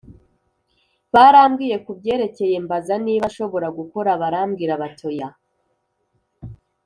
barambwiye kubyerekeye mbaza niba nshobora gukora barambwira bati oya.